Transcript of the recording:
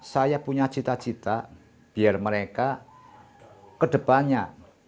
saya punya cita cita biar mereka kedepannya